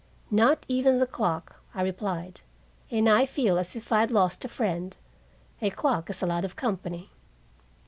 "Not even the clock," I replied. "And I feel as if I'd lost a friend. A clock is a lot of company."